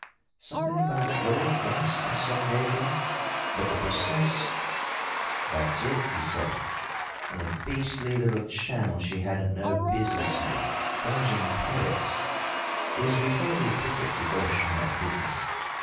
"Something about gold dust," I said vaguely, "but the precise " "That's it," he said. "In a beastly little channel she hadn't no business in dodging pirates. It was before they'd put the kybosh on that business.